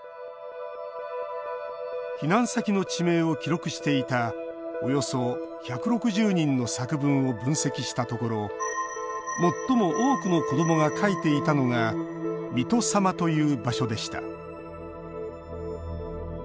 避難先の地名を記録していたおよそ１６０人の作文を分析したところ最も多くの子どもが書いていたのが「水戸様」という場所でした。